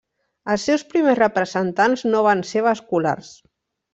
Els seus primers representants no van ser vasculars.